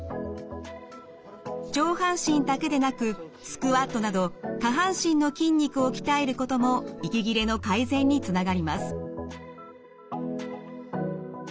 上半身だけでなくスクワットなど下半身の筋肉を鍛えることも息切れの改善につながります。